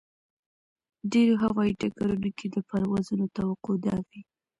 ډېرو هوایي ډګرونو کې د پروازونو توقع دا وي.